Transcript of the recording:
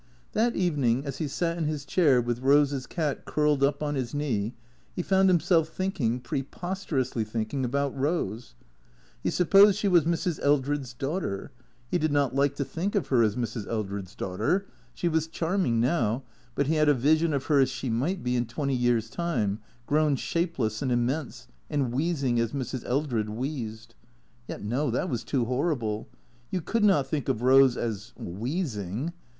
That evening, as he sat in his chair, with Rose's cat curled up on his knee, he found himself thinking, preposterously think ing, about Rose. He supposed she was Mrs. Eldred's daughter. He did not like to think of her as Mrs. Eldred's daughter. She was charming now ; but he had a vision of her as she might be in twenty years' time, grown shapeless and immense, and wheezing as Mrs. Eldred wheezed. Yet no; that was too horrible. You could not think of Rose as — wheezing.